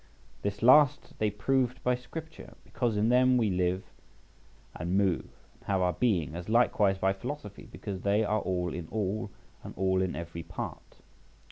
This last they proved by Scripture, because in them we live, and move, and have our being: as likewise by philosophy, because they are all in all, and all in every part.